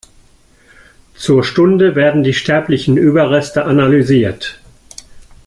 Zur Stunde werden die sterblichen Überreste analysiert.